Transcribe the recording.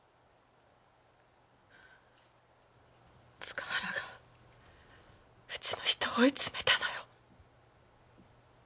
塚原がうちの人を追い詰めたのよ。